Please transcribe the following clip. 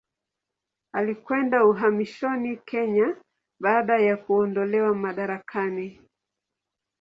Alikwenda uhamishoni Kenya baada ya kuondolewa madarakani.